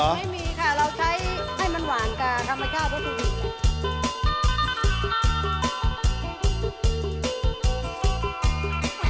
ไม่มีค่ะเราใช้ให้มันหวานค่ะทำไมข้าววัตถุดิบ